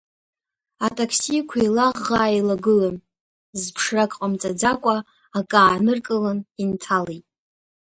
Атаксиқәа еилаӷӷа еилагылан, зԥшрак ҟамҵаӡакәа акы ааныркылан, инҭалеит.